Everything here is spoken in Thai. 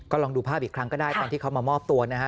ลองดูภาพอีกครั้งก็ได้ตอนที่เขามามอบตัวนะฮะ